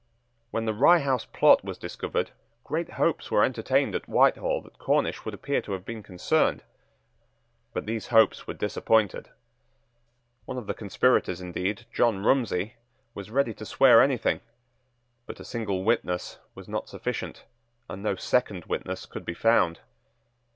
When the Rye House plot was discovered, great hopes were entertained at Whitehall that Cornish would appear to have been concerned: but these hopes were disappointed. One of the conspirators, indeed, John Rumsey, was ready to swear anything: but a single witness was not sufficient; and no second witness could be found.